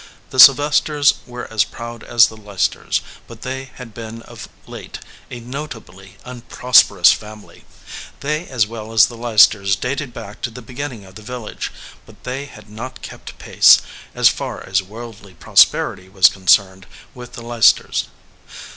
The Sylvesters were as proud as the Leicester s ; but they had been of late a notably unprosperous family. They as well as the Leicesters dated back to the beginning of the village, but they had not kept pace, as far as worldly prosperity was concerned, with the Leices ters.